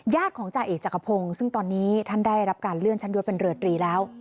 ของจ่าเอกจักรพงศ์ซึ่งตอนนี้ท่านได้รับการเลื่อนชั้นยศเป็นเรือตรีแล้ว